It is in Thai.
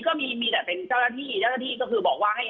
ก็มีมีแต่เป็นเจ้าหน้าที่เจ้าหน้าที่ก็คือบอกว่าให้